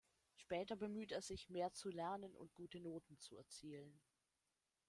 Später bemüht er sich, mehr zu lernen und gute Noten zu erzielen.